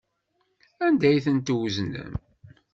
Anda ay ten-tweznem?